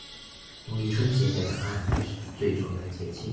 農曆春節在兩岸都是最重要的節慶